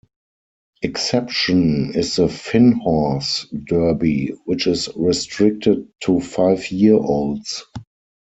Exception is the Finnhorse Derby, which is restricted to five-year-olds.